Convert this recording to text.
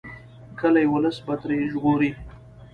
کلي ولس به ترې ژغوري.